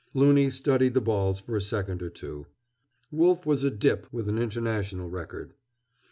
Loony studied the balls for a second or two. Wolf was a "dip" with an international record.